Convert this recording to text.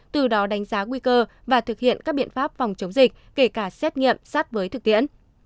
từ đó đánh giá nguy cơ và thực hiện các biện pháp phòng chống dịch kể cả xét nghiệm sát với thực tiễn